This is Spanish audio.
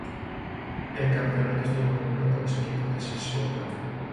El campeonato estuvo dominado por los equipos de Shizuoka.